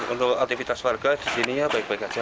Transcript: untuk aktivitas warga di sini ya baik baik saja